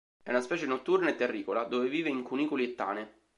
È una specie notturna e terricola, dove vive in cunicoli e tane.